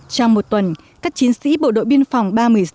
trong một tuần các chiến sĩ bộ đội biên phòng ba trăm một mươi sáu